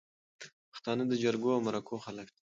پښتانه د جرګو او مرکو خلک دي